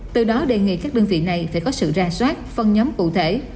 từ đó đề nghị các đơn vị này phải có sự ra soát phân nhóm cụ thể